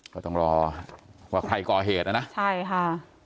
ก็ต้องรอว่าใครก่อเหตุนะนะใช่ค่ะ